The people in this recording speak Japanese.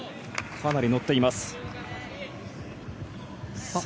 かなり乗っています。